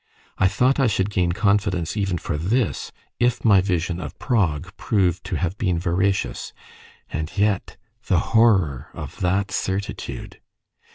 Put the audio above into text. I thought I should gain confidence even for this, if my vision of Prague proved to have been veracious; and yet, the horror of that certitude!